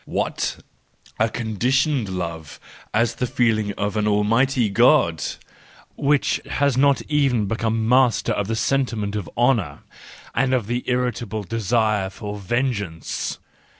What ? A conditioned love as the feeling of an almighty God! A love which has not even become master of the sentiment of honour and of the irritable desire for vengeance!